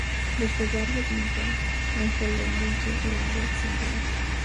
Desde barrio Villa Angelelli al Área Central.